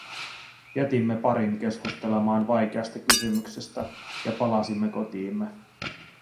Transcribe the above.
Jätimme parin keskustelemaan vaikeasta kysymyksestä, ja palasimme kotiimme.